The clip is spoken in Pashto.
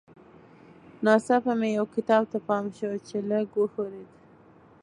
ناڅاپه مې یو کتاب ته پام شو چې لږ وښورېد